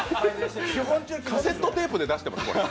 カセットテープで出してます？